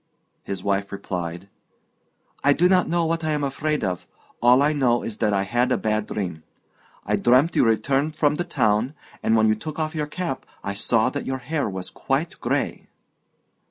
His wife replied: "I do not know what I am afraid of; all I know is that I had a bad dream. I dreamt you returned from the town, and when you took off your cap I saw that your hair was quite grey."